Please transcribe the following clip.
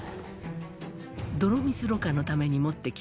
「泥水ろ過のために持ってきた」